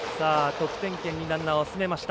得点圏にランナーを進めました。